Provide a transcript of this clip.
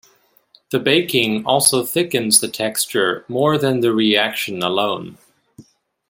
The baking also thickens the texture more than the reaction alone.